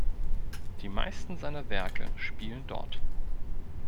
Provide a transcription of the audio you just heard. Die meisten seiner Werke spielen dort.